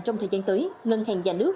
trong thời gian tới ngân hàng nhà nước